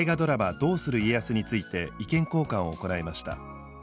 「どうする家康」について意見交換を行いました。